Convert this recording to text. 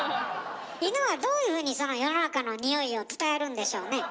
犬はどういうふうにその世の中のニオイを伝えるんでしょうね？